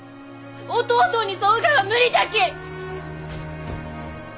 弟に添うがは無理じゃき！